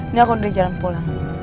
ini aku dari jalan pulang